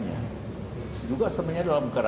bagaimana kita bisa mencari